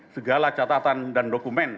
segala catatan dan dokumen